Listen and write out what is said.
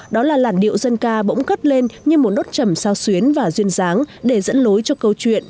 đó là làn điệu dân ca bỗng cất lên như một đốt trầm sao xuyến và duyên dáng để dẫn lối cho câu chuyện